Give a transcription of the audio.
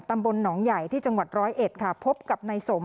ตำบลหนองใหญ่ที่จังหวัด๑๐๑ภบกับนายสม